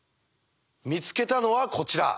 見つけたのはこちら。